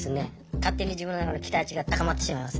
勝手に自分の中の期待値が高まってしまいます。